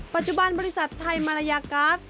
ปัจจุบันบริษัทไทยมาลายากาส